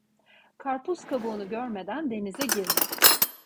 Karpuz kabuğunu görmeden denize girme.